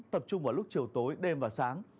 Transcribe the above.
tập trung vào lúc chiều tối đêm và sáng